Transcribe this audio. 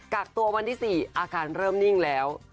กักตัววันที่๔อาการเริ่มนิ่งแล้ว